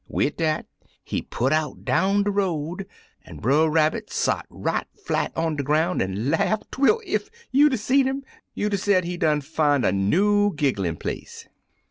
Wid dat, he put out down de road, an' Brer Rabbit sot right flat on de groun' an' laugh, twel, ef you'd 'a' seed 'im, you'd 'a' said he done fin' a new gigglin' place.